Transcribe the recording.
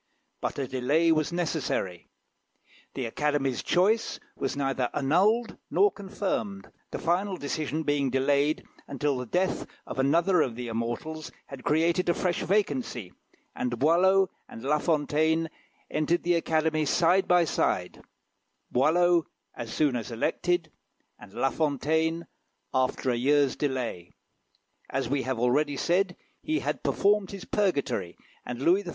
But a delay was necessary. The Academy's choice was neither annulled nor confirmed; the final decision being delayed until the death of another of the immortals had created a fresh vacancy, and Boileau and La Fontaine entered the Academy side by side; Boileau as soon as elected, and La Fontaine after a year's delay. As we have already said, he had performed his purgatory, and Louis XIV.